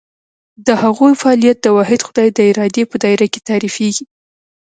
د هغوی فعالیت د واحد خدای د ارادې په دایره کې تعریفېږي.